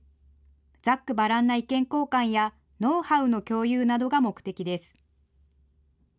ざっくばらんな意見交換や、ノウハウの共有などが目的です。